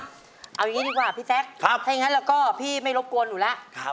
เอาอย่างนี้ดีกว่าพี่แจ๊คถ้าอย่างนั้นแล้วก็พี่ไม่รบกวนหนูแล้ว